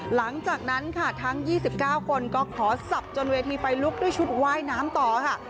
หลังจากนั้นค่ะทั้ง๒๙คนก็ขอสับจนเวทีไฟลุกด้วยชุดว่ายน้ำต่อค่ะ